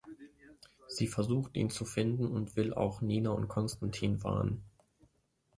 Sie versucht ihn zu finden und will auch Nina und Konstantin warnen.